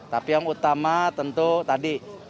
tapi yang utama tentu tadi